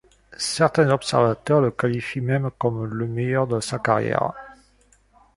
Certains observateurs le qualifiant même comme le meilleur de sa carrière.